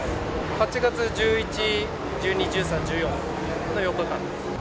８月１１、１２、１３、１４の４日間です。